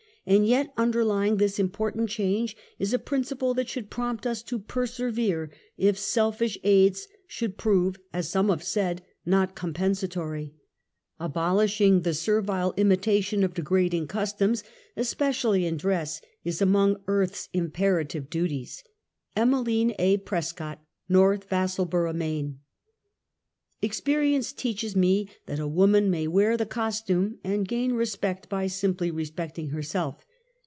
And yet mider lying this important change is a principle that should prompt us to persevere, if selfish aids should prove, as some have said, not compensator}^ Abolishing the servile imitation of degrading customs, especially in dress, is among earth's imperative duties. Emeline a. Prescott, N"orth Vassalboro', Maine. Experience teaches me that a woman may wear the costume and gain respect by simply respecting her self.